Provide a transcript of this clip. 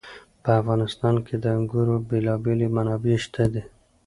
په افغانستان کې د انګورو بېلابېلې منابع شته دي.